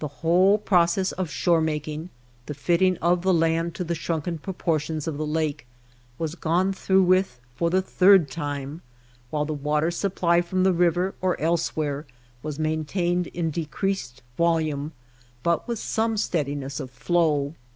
The whole process of shore making — the fitting of the land to the shrunken proportions of the lake — was gone through with for the third time ; while the water supply from the river or elsewhere was maintained in decreased volume but with some steadiness of flow.